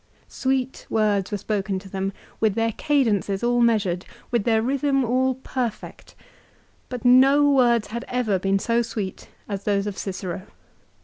Sweet words were spoken to them, with their cadences all measured, with their rhythm all perfect ; but no words had ever been so sweet as those of Cicero.